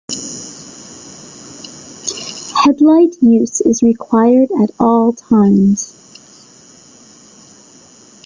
Headlight use is required at all times.